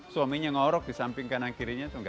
suaminya ngerok disamping kanan kirinya itu gk tau